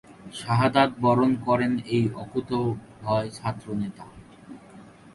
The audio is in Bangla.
শাহাদাত বরণ করেন এই অকুতোভয় ছাত্রনেতা।